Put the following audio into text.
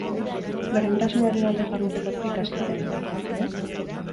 Berdintasunaren alde jarduteko ze ikasketa egin daitezke?